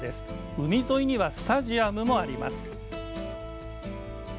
海沿いにはスタジアムもあります。